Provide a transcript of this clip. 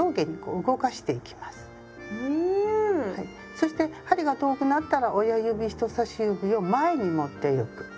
そして針が遠くなったら親指人さし指を前に持ってゆく。